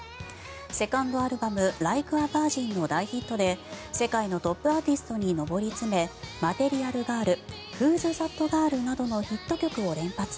セカンドアルバム「ライク・ア・ヴァージン」の大ヒットで世界のトップアーティストに上り詰め「マテリアル・ガール」「フーズ・ザット・ガール」などのヒット曲を連発。